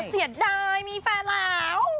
เสียดายมีแฟนแล้ว